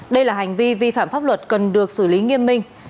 đây là hành vi vi phạm pháp luật cần được xử lý nghiêm minh